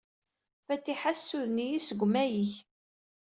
Fatiḥa tessuden-iyi seg umayeg.